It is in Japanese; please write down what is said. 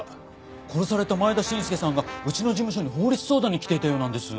殺された前田伸介さんがうちの事務所に法律相談に来ていたようなんです。